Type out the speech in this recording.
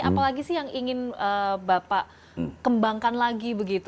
apalagi sih yang ingin bapak kembangkan lagi begitu